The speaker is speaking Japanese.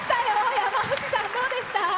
山内さん、どうでした？